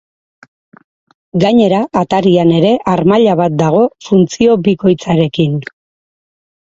Gainera, atarian ere harmaila bat dago funtzio bikoitzarekin.